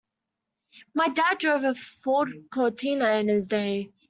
My dad drove a Ford Cortina in his day.